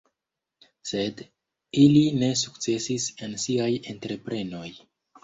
Sed ili ne sukcesis en siaj entreprenoj.